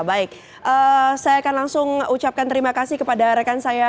baik saya akan langsung ucapkan terima kasih kepada rekan saya